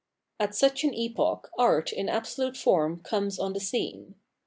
At such an epoch art in absolute form* comes on the scene.